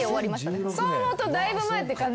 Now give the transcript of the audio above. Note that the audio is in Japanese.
そう思うとだいぶ前って感じしないですか？